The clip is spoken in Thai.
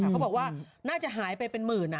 เขาบอกว่าน่าจะหายไปเป็นหมื่น